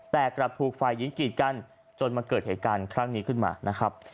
แต่กลับถูกฝ่ายหญิงกีดกันจนมาเกิดเหตุการณ์ครั้งนี้ขึ้นมานะครับ